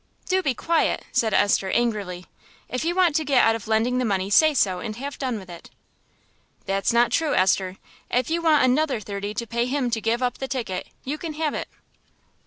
"Do be quiet," said Esther, angrily. "If you want to get out of lending the money say so and have done with it." "That's not true, Esther. If you want another thirty to pay him to give up the ticket, you can have it."